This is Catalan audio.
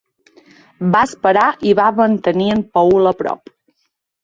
Va esperar i va mantenir en Paul a prop